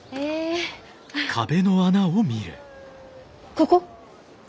ここ？